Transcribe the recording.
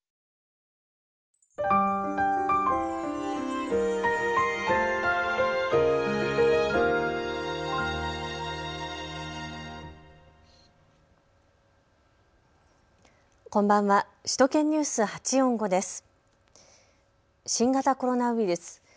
新型コロナウイルス。